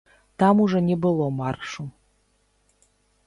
Там ужо не было маршу.